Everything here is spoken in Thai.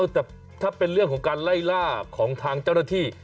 แต่ถ้าเป็นเรื่องของการไล่ล่าของทางเจ้าหน้าที่